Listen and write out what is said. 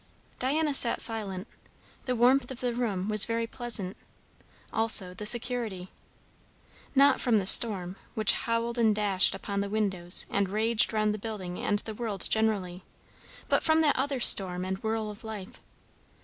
Diana sat silent. The warmth of the room was very pleasant. Also the security. Not from the storm, which howled and dashed upon the windows and raged round the building and the world generally; but from that other storm and whirl of life.